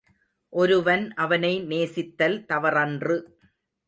ஒருவன் அவனை நேசித்தல் தவறன்று.